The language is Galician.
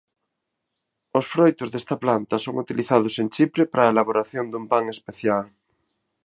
Os froitos desta planta son utilizados en Chipre para a elaboración dun pan especial.